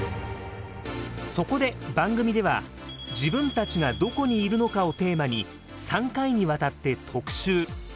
そこで番組では自分たちが“どこにいるのか”をテーマに３回にわたって特集。